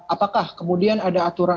apakah kemudian ada aturan